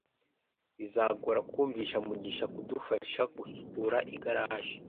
bizagora kumvisha mugisha kudufasha gusukura igaraje